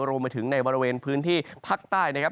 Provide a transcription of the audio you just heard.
รวมไปถึงในบริเวณพื้นที่ภาคใต้นะครับ